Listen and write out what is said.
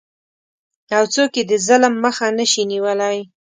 او څوک یې د ظلم مخه نشي نیولی؟